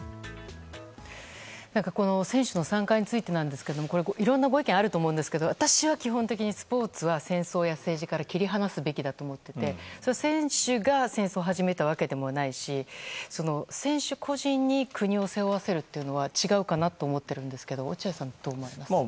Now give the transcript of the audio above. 選手の参加についてなんですけどいろんなご意見あると思いますが私は基本的にスポーツは戦争や政治から切り離すべきだと思ってて、選手が戦争を始めたわけでもないし選手個人に国を背負わせるというのは違うかなと思っているんですけど落合さんはどう思われますか？